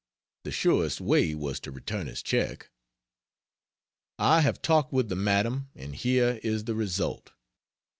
The surest way was to return his check. I have talked with the madam, and here is the result.